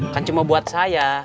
kan cuma buat saya